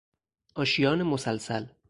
آشیان مسلسل